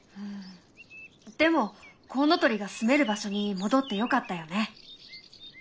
でもコウノトリがすめる場所に戻ってよかったよね。